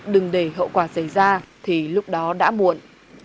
đừng để hậu quả xảy ra thì lúc đó đã muộn